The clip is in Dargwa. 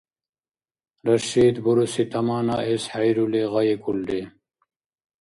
Рашид буруси таманаэс хӀейрули, гъайикӀулри.